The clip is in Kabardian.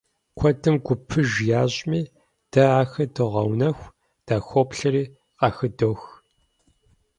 Куэдым гупыж ящӀми, дэ ахэр догъэунэху, дахоплъэри, къахыдох.